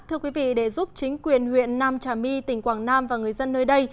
thưa quý vị để giúp chính quyền huyện nam trà my tỉnh quảng nam và người dân nơi đây